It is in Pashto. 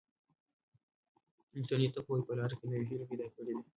انټرنیټ د پوهې په لاره کې نوې هیلې پیدا کړي دي.